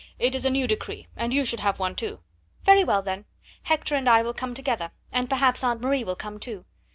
It is a new decree, and you should have one, too." "Very well, then. Hector and I will come together, and perhaps Aunt Marie will come too.